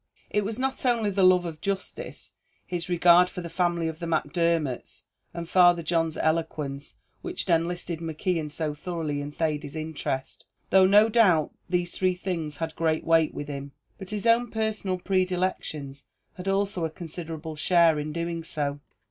It was not only the love of justice, his regard for the family of the Macdermots, and Father John's eloquence which had enlisted McKeon so thoroughly in Thady's interest, though, no doubt, these three things had great weight with him, but his own personal predilections had also a considerable share in doing so.